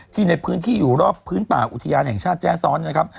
ในพื้นที่อยู่รอบพื้นป่าอุทยานแห่งชาติแจ้ซ้อนนะครับ